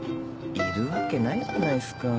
いるわけないじゃないすか。